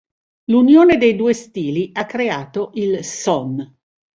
L'unione dei due stili ha creato il "son".